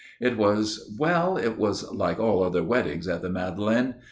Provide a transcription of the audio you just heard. It was well, it was like all other weddings at the Madeleine.